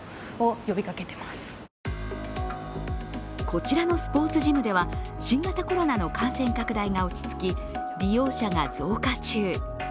こちらのスポーツジムでは新型コロナの感染拡大が落ち着き利用者が増加中。